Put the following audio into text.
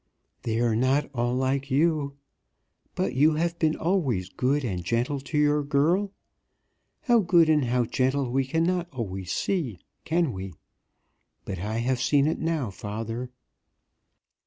"They are not all like you. But you have been always good and gentle to your girl. How good and how gentle we cannot always see; can we? But I have seen it now, father."